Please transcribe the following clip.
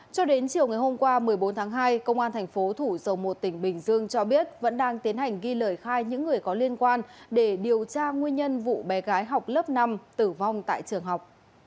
cho đến chiều ngày hôm qua một mươi bốn tháng hai công an thành phố thủ dầu một tỉnh bình dương cho biết vẫn đang tiến hành ghi lời khai những người có liên quan để điều tra nguyên nhân vụ bé gái học lớp năm tử vong tại trường học